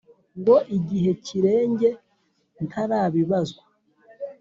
Ngo igihe kirenge ntarabibazwa